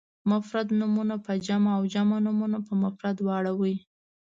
مفرد نومونه په جمع او جمع نومونه په مفرد واړوئ.